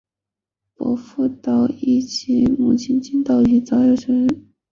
伯父岛津义久及父亲岛津义弘早就视岛津久保为岛津家未来的继承人。